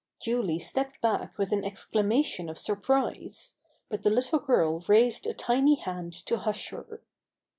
Julie stepped back with an exclamation of surprise. But the little girl raised a tiny hand to hush her.